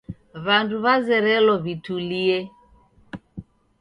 W'andu w'azerelo w'itulie.